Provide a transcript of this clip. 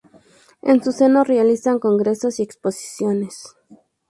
En su seno se realizan congresos y exposiciones.